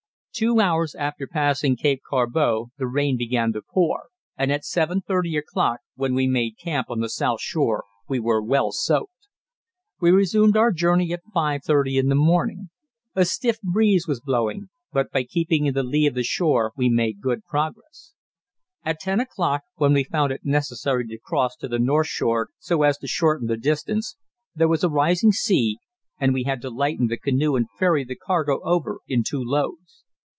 Two hours after passing Cape Corbeau the rain began to pour, and at 7.30 o'clock, when we made camp on the south shore, we were well soaked. We resumed our journey at 5.30 in the morning. A stiff breeze was blowing, but by keeping in the lee of the shore we made good progress. At ten o'clock, when we found it necessary to cross to the north shore so as to shorten the distance, there was a rising sea, and we had to lighten the canoe and ferry the cargo over in two loads.